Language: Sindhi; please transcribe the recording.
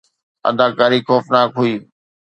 اداڪاري خوفناڪ هئي